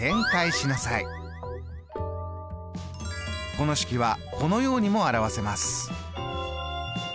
この式はこのようにも表せます。